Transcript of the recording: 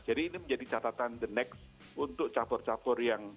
jadi ini menjadi catatan the next untuk cabur cabur